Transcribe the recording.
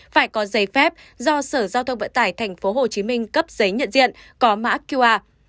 phải có giấy phép do sở giao thông vận tải tp hcm cấp giấy nhận diện có mã qr